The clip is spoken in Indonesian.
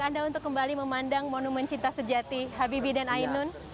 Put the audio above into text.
anda untuk kembali memandang monumen cinta sejati habibi dan ainun